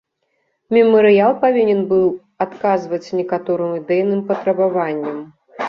Мемарыял павінен быў адказваць некаторым ідэйным патрабаванням.